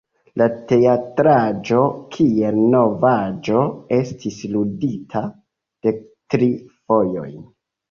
La teatraĵo, kiel novaĵo, estis ludita dektri fojojn.